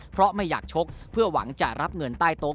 เพราะไม่อยากชกเพื่อหวังจะรับเงินใต้โต๊ะ